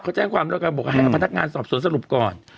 เขาแจ้งความแล้วกันบอกให้เอาพนักงานสอบสวนสรุปก่อน